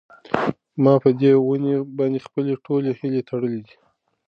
ما په دې ونې باندې خپلې ټولې هیلې تړلې وې.